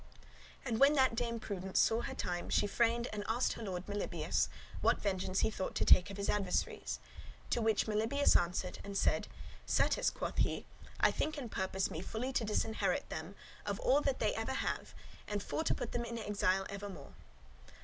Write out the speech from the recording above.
And when that Dame Prudence saw her time she freined [inquired] and asked her lord Melibœus, what vengeance he thought to take of his adversaries. To which Melibœus answered, and said; "Certes," quoth he, "I think and purpose me fully to disinherit them of all that ever they have, and for to put them in exile for evermore."